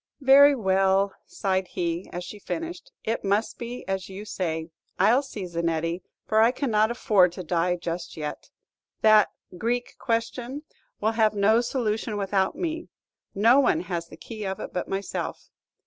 "Very well," sighed he, as she finished, "it must be as you say. I'll see Zanetti, for I cannot afford to die just yet. That 'Greek question' will have no solution without me, no one has the key of it but myself.